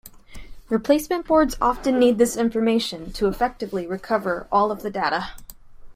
Replacement boards often need this information to effectively recover all of the data.